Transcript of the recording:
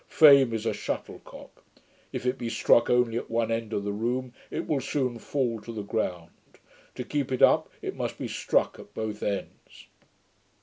Fame is a shuttlecock. If it be struck only at one end of the room, it will soon fall to the ground. To keep it up, it must be struck at both ends.'